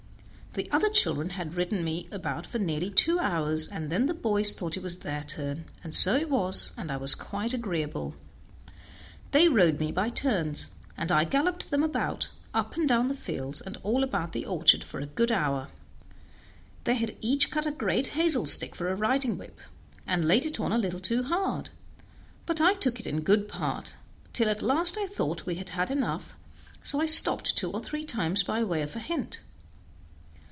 The other children had ridden me about for nearly two hours, and then the boys thought it was their turn, and so it was, and I was quite agreeable. They rode me by turns, and I galloped them about, up and down the fields and all about the orchard, for a good hour. They had each cut a great hazel stick for a riding whip, and laid it on a little too hard; but I took it in good part, till at last I thought we had had enough, so I stopped two or three times by way of a hint.